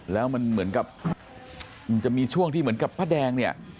แล้วมันเหมือนกับมันจะมีช่วงที่เหมือนกับป้าแดงเนี่ย